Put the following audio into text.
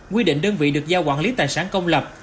quy định đơn vị được giao quản lý tài sản công lập